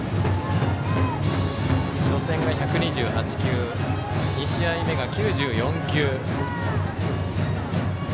初戦は１２８球２試合目が９４球。